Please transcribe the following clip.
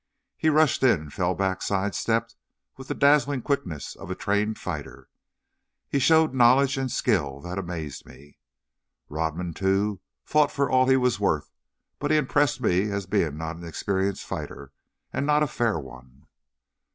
He rushed in, fell back, sidestepped, with the dazzling quickness of a trained fighter. He showed knowledge and skill that amazed me. Rodman, too, fought for all he was worth, but he impressed me as being not an experienced fighter, and not a fair one.